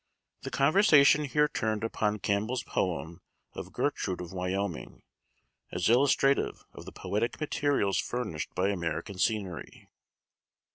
The conversation here turned upon Campbell's poem of "Gertrude of Wyoming," as illustrative of the poetic materials furnished by American scenery.